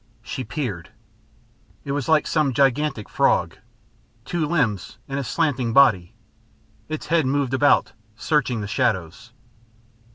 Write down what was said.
She peered. It was like some gigantic frog, two limbs and a slanting body. Its head moved about searching the shadows....